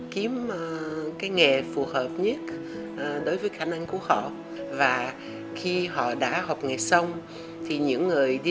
kiếm cái nghề phù hợp nhất đối với khả năng của họ và khi họ đã học nghề xong thì những người đi